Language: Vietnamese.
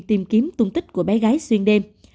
tìm kiếm tung tích của bé gái xuyên đêm